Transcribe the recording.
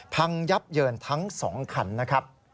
พังยับเยินทั้ง๒คันนะครับ